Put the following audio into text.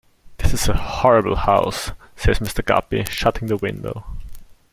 "This is a horrible house," says Mr. Guppy, shutting the window.